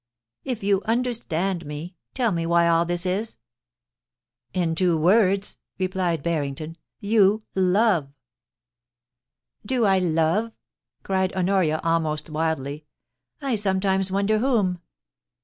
If you understand me, tell me why all this is ?In two words,' replied Barrington — ^you love,^ * Do I love ?' cried Honoria, almost wildly. * I sometimes wonder whom.'